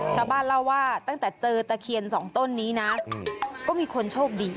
ชาวบ้านเล่าว่าตั้งแต่เจอตะเคียนสองต้นนี้นะก็มีคนโชคดี